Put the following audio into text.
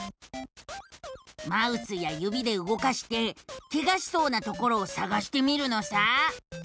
マウスやゆびでうごかしてケガしそうなところをさがしてみるのさ。